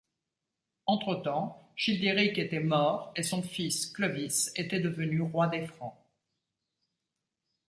Entre-temps, Childéric était mort et son fils, Clovis, était devenu roi des Francs.